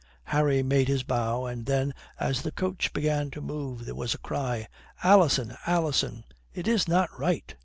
Harry made his bow, and then, as the coach began to move, there was a cry: "Alison! Alison! It is not right!"